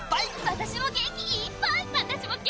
私も元気いっぱい！